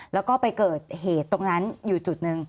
แล้วก็ไปเกิดเหตุตรงนั้นอยู่จุดหนึ่ง